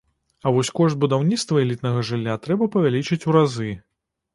А вось кошт будаўніцтва элітнага жылля трэба павялічыць у разы.